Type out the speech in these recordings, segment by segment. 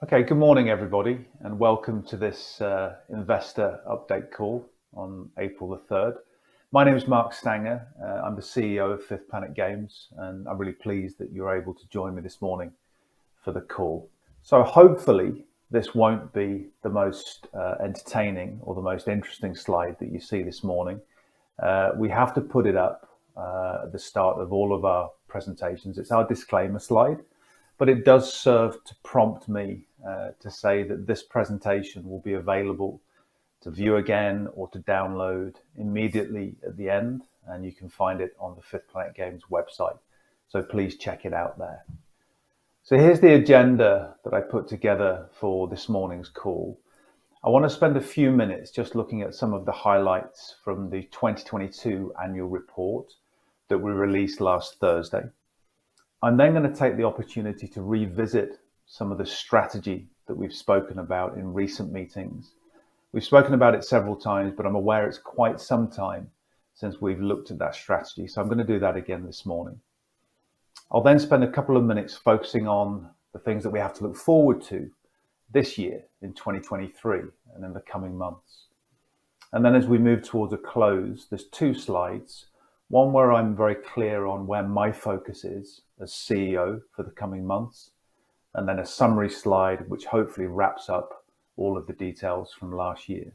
Okay. Good morning, everybody, and welcome to this investor update call on April the 3rd. My name is Mark Stanger, I'm the CEO of 5th Planet Games, and I'm really pleased that you're able to join me this morning for the call. Hopefully, this won't be the most entertaining or the most interesting slide that you see this morning. We have to put it up at the start of all of our presentations. It's our disclaimer slide, but it does serve to prompt me to say that this presentation will be available to view again or to download immediately at the end, and you can find it on the 5th Planet Games website. Please check it out there. Here's the agenda that I put together for this morning's call. I want to spend a few minutes just looking at some of the highlights from the 2022 annual report that we released last Thursday. I'm going to take the opportunity to revisit some of the strategy that we've spoken about in recent meetings. We've spoken about it several times, I'm aware it's quite some time since we've looked at that strategy, I'm going to do that again this morning. I'll spend a couple of minutes focusing on the things that we have to look forward to this year in 2023 and in the coming months. As we move towards a close, there's two slides, one where I'm very clear on where my focus is as CEO for the coming months, and then a summary slide, which hopefully wraps up all of the details from last year.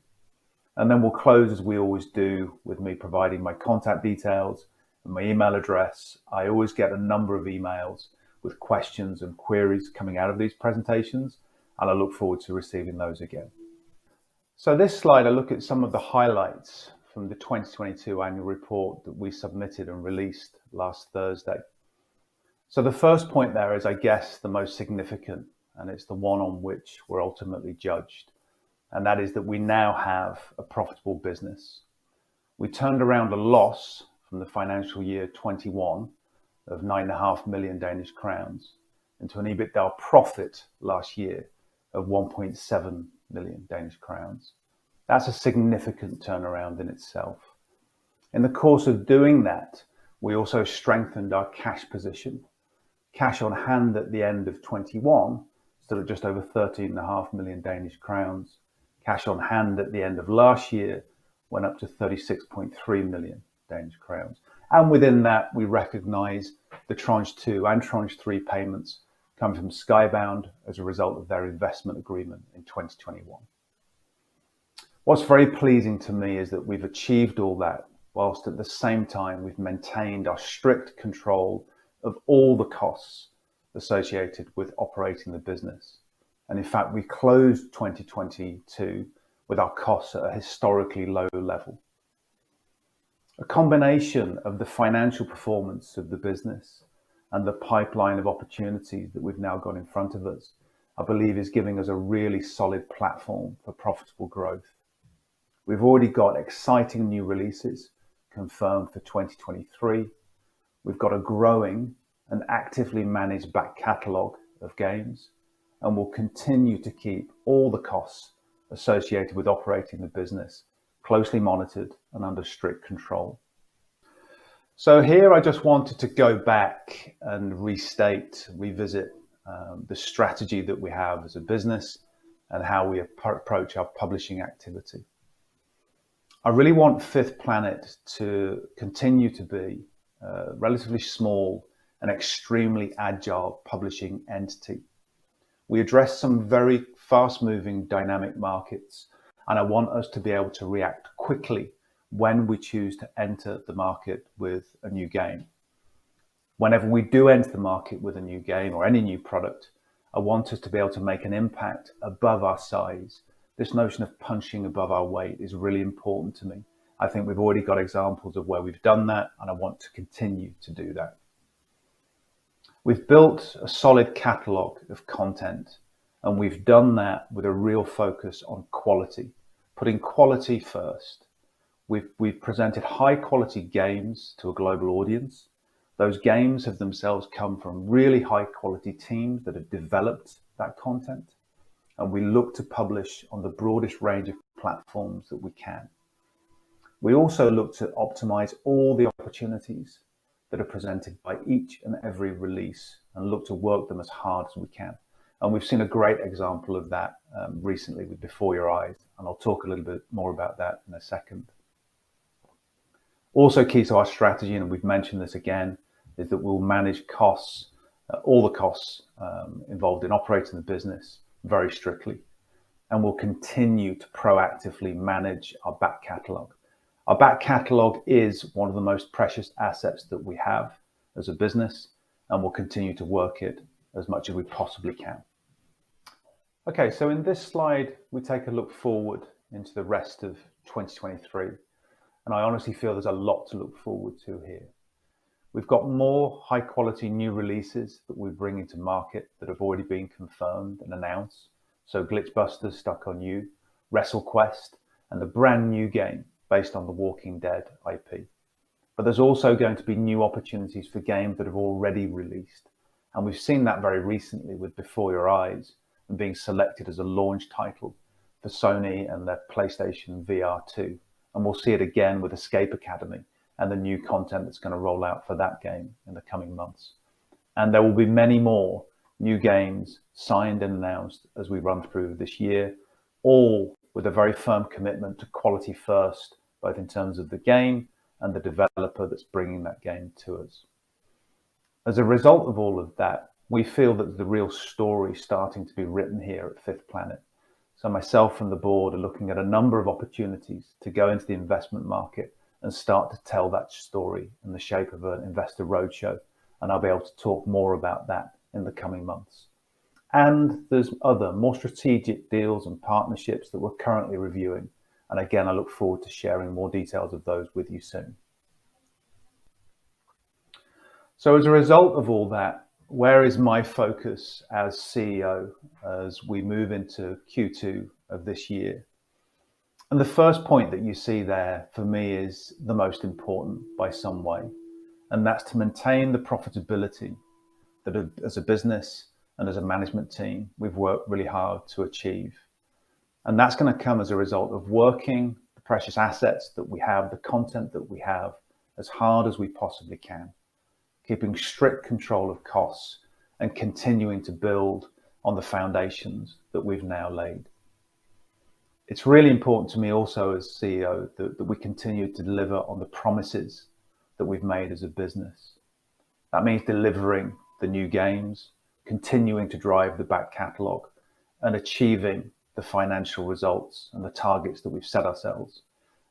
Then we'll close, as we always do, with me providing my contact details and my email address. I always get a number of emails with questions and queries coming out of these presentations, and I look forward to receiving those again. This slide, I look at some of the highlights from the 2022 annual report that we submitted and released last Thursday. The first point there is, I guess, the most significant, and it's the one on which we're ultimately judged, and that is that we now have a profitable business. We turned around a loss from the financial year 2021 of 9.5 million Danish crowns into an EBITDA profit last year of 1.7 million Danish crowns. That's a significant turnaround in itself. In the course of doing that, we also strengthened our cash position. Cash on hand at the end of 2021 stood at just over 13.5 million Danish crowns. Cash on hand at the end of last year went up to 36.3 million Danish crowns. Within that, we recognize the Tranche 2 and Tranche 3 payments coming from Skybound as a result of their investment agreement in 2021. What's very pleasing to me is that we've achieved all that while at the same time, we've maintained our strict control of all the costs associated with operating the business. In fact, we closed 2022 with our costs at a historically low level. A combination of the financial performance of the business and the pipeline of opportunities that we've now got in front of us, I believe is giving us a really solid platform for profitable growth. We've already got exciting new releases confirmed for 2023. We've got a growing and actively managed back catalog of games, and we'll continue to keep all the costs associated with operating the business closely monitored and under strict control. Here I just wanted to go back and restate, revisit, the strategy that we have as a business and how we approach our publishing activity. I really want 5th Planet to continue to be a relatively small and extremely agile publishing entity. We address some very fast-moving dynamic markets, and I want us to be able to react quickly when we choose to enter the market with a new game. Whenever we do enter the market with a new game or any new product, I want us to be able to make an impact above our size. This notion of punching above our weight is really important to me. I think we've already got examples of where we've done that, and I want to continue to do that. We've built a solid catalog of content, and we've done that with a real focus on quality, putting quality first. We've presented high quality games to a global audience. Those games have themselves come from really high quality teams that have developed that content, and we look to publish on the broadest range of platforms that we can. We also look to optimize all the opportunities that are presented by each and every release and look to work them as hard as we can. We've seen a great example of that recently with Before Your Eyes, and I'll talk a little bit more about that in a second. Also, key to our strategy, and we've mentioned this again, is that we'll manage costs, all the costs involved in operating the business very strictly. We'll continue to proactively manage our back catalog. Our back catalog is one of the most precious assets that we have as a business. We'll continue to work it as much as we possibly can. In this slide we take a look forward into the rest of 2023. I honestly feel there's a lot to look forward to here. We've got more high-quality new releases that we bring into market that have already been confirmed and announced. Glitch Busters: Stuck on You, WrestleQuest, and the brand-new game based on The Walking Dead IP. There's also going to be new opportunities for games that have already released, and we've seen that very recently with Before Your Eyes and being selected as a launch title for Sony and their PlayStation VR2, and we'll see it again with Escape Academy and the new content that's going to roll out for that game in the coming months. There will be many more new games signed and announced as we run through this year, all with a very firm commitment to quality first, both in terms of the game and the developer that's bringing that game to us. As a result of all of that, we feel that the real story is starting to be written here at 5th Planet. Myself and the board are looking at a number of opportunities to go into the investment market and start to tell that story in the shape of an investor roadshow, and I'll be able to talk more about that in the coming months. There's other more strategic deals and partnerships that we're currently reviewing, and again, I look forward to sharing more details of those with you soon. As a result of all that, where is my focus as CEO as we move into Q2 of this year? The first point that you see there for me is the most important by some way, and that's to maintain the profitability that as a business and as a management team, we've worked really hard to achieve. That's going to come as a result of working the precious assets that we have, the content that we have, as hard as we possibly can, keeping strict control of costs and continuing to build on the foundations that we've now laid. It's really important to me also as CEO that we continue to deliver on the promises that we've made as a business. That means delivering the new games, continuing to drive the back catalog, and achieving the financial results and the targets that we've set ourselves.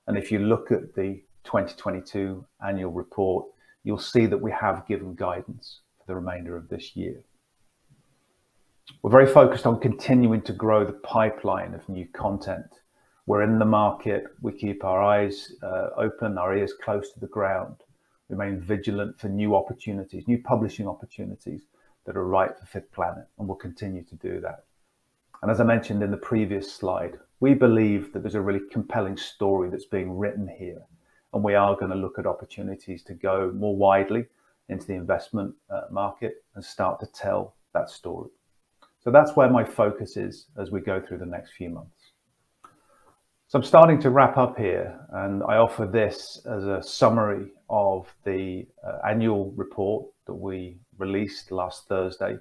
If you look at the 2022 annual report, you'll see that we have given guidance for the remainder of this year. We're very focused on continuing to grow the pipeline of new content. We're in the market. We keep our eyes open, our ears close to the ground. Remain vigilant for new opportunities, new publishing opportunities that are right for 5th Planet, we'll continue to do that. As I mentioned in the previous slide, we believe that there's a really compelling story that's being written here, and we are going to look at opportunities to go more widely into the investment market and start to tell that story. That's where my focus is as we go through the next few months. I'm starting to wrap up here, and I offer this as a summary of the annual report that we released last Thursday.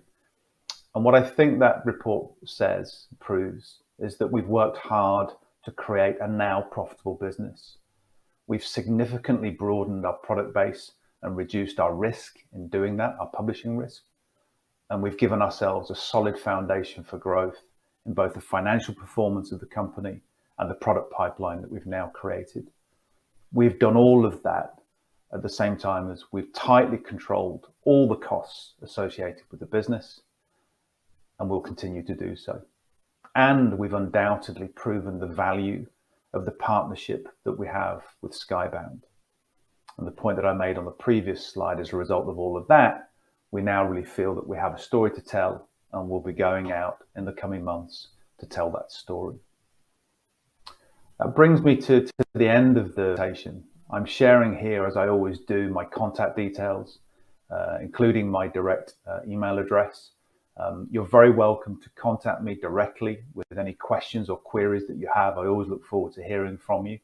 What I think that report says, proves, is that we've worked hard to create a now profitable business. We've significantly broadened our product base and reduced our risk in doing that, our publishing risk, and we've given ourselves a solid foundation for growth in both the financial performance of the company and the product pipeline that we've now created. We've done all of that at the same time as we've tightly controlled all the costs associated with the business, and we'll continue to do so. We've undoubtedly proven the value of the partnership that we have with Skybound. The point that I made on the previous slide as a result of all of that, we now really feel that we have a story to tell, and we'll be going out in the coming months to tell that story. That brings me to the end of the presentation. I'm sharing here, as I always do, my contact details, including my direct email address. You're very welcome to contact me directly with any questions or queries that you have. I always look forward to hearing from you,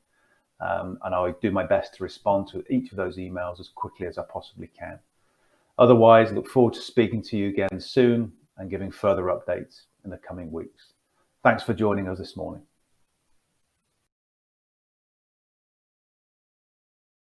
and I will do my best to respond to each of those emails as quickly as I possibly can. Otherwise, look forward to speaking to you again soon and giving further updates in the coming weeks. Thanks for joining us this morning.